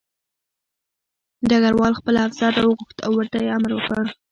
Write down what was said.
ډګروال خپل افسر راوغوښت او ورته یې امر وکړ